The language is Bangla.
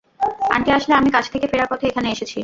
আন্টি, আসলে আমি কাজ থেকে ফেরার পথে এখানে এসেছি।